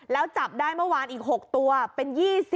แล้วจับได้เมื่อวานอีก๖ตัวเป็น๒๐